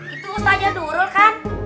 itu ustazah nurul kan